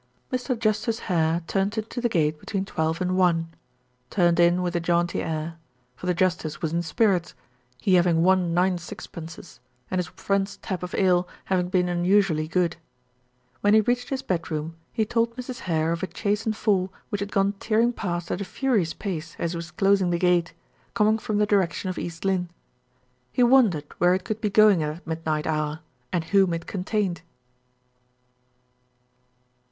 Mr. Justice Hare turned into the gate between twelve and one turned in with a jaunty air; for the justice was in spirits, he having won nine sixpences, and his friend's tap of ale having been unusually good. When he reached his bedroom, he told Mrs. Hare of a chaise and four which had gone tearing past at a furious pace as he was closing the gate, coming from the direction of East Lynne. He wondered where it could be going at that midnight hour, and whom it contained.